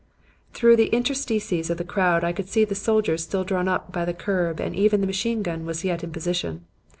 "Through the interstices of the crowd I could see the soldiers still drawn up by the curb and even the machine gun was yet in position.